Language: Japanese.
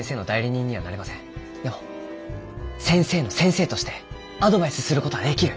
でも先生の先生としてアドバイスする事はできる。